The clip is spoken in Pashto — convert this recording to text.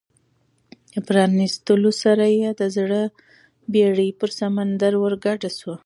د پرانیستلو سره یې د زړه بېړۍ پر سمندر ورګډه شوه.